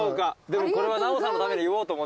でもこれは奈緒さんのために言おうと思って。